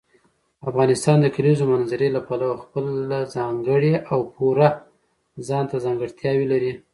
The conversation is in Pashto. افغانستان د کلیزو منظره له پلوه خپله ځانګړې او پوره ځانته ځانګړتیاوې لري.